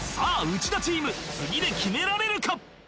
内田チーム次で決められるか？